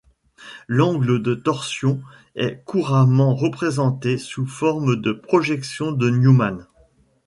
L'angle de torsion est couramment représenté sous forme de projection de Newman.